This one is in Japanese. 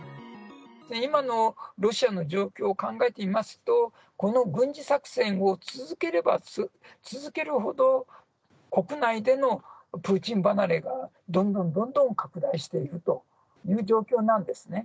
今のロシアの状況を考えてみますと、この軍事作戦を続ければ続けるほど、国内でのプーチン離れがどんどんどんどん拡大していくという状況なんですね。